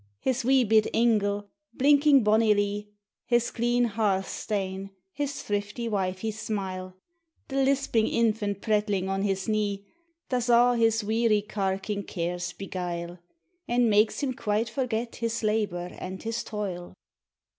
His wee bit ingle, blinking bonnily, His clean hearthstane, his thriftie wine's smile, The lisping infant prattling on his knee, Does a' his weary carkiug cares beguile, And makes him quite forget his labor and his toil.